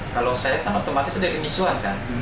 kalau saya otomatis dari miss huang kan